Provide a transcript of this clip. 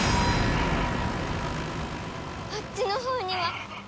あっちのほうには。